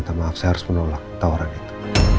minta maaf saya harus menolak tawaran itu